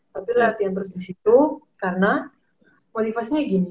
tapi latihan terus disitu karena motivasinya gini